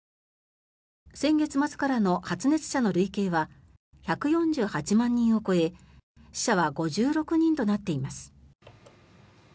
先月末からの発熱者の累計は１４８万人を超え死者は５６人となっています。